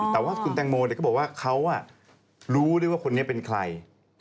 แต่ว่าคุณแตงโมก็บอกว่าเขารู้ด้วยว่าคนนี้เป็นใคร